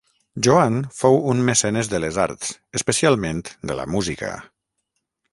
Joan fou un mecenes de les arts, especialment de la música.